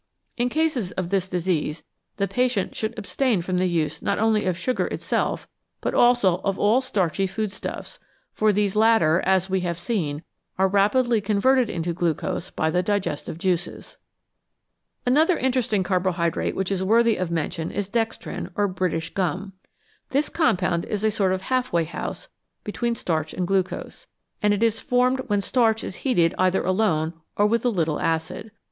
In cases of this disease the patient should abstain from the use not only of sugar itself, but also of all starchy food stuffs, for these latter, as we have seen, are rapidly converted into glucose by the digestive juices. Another interesting carbohydrate which is worthy of mention is dextrin, or British gum. This compound is a sort of half way house between starch and glucose, and is SUGAR AND STARCH formed when starch is heated either alone or with a little acid.